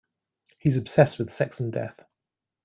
He's obsessed with sex and death.